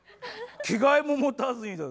着替えも持たずにだぜ？